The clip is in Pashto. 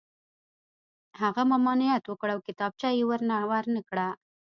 هغه ممانعت وکړ او کتابچه یې ور نه کړه